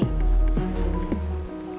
dia sudah pergi